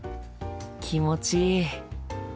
気持ちいい。